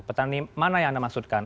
petani mana yang anda maksudkan